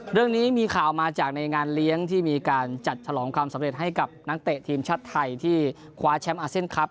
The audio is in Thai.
เรื่องนี้มีข่าวมาจากในงานเลี้ยงที่มีการจัดฉลองความสำเร็จให้กับนักเตะทีมชาติไทยที่คว้าแชมป์อาเซียนคลับ